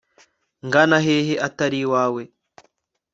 ngana hehe atari iwawe